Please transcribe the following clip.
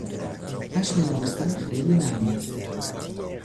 پشم این گوسفند خیلی نرم است.